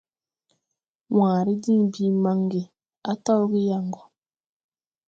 Wããre diŋ bii mange, a taw ge yaŋ go.